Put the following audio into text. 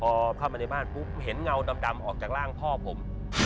พอเข้ามาในบ้านปุ๊บเห็นเงาดำออกจากร่างพ่อผม